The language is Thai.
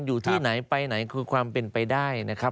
อยู่ที่ไหนไปไหนคือความเป็นไปได้นะครับ